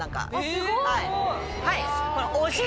すごい！